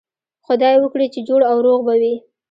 خدای وکړي جوړ او روغ به وئ.